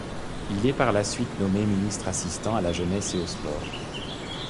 Il est par la suite nommé ministre assistant à la Jeunesse et aux Sports.